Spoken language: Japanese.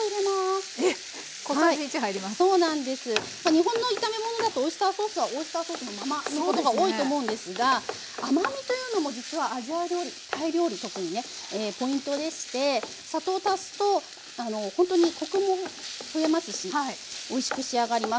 日本の炒め物だとオイスターソースはオイスターソースのままということが多いと思うんですが甘みというのも実はアジア料理タイ料理特にねポイントでして砂糖足すとほんとにコクも増えますしおいしく仕上がります。